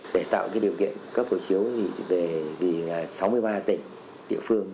để tạo cái điều kiện cấp hộ chiếu về sáu mươi ba tỉnh địa phương